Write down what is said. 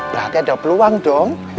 berarti ada peluang dong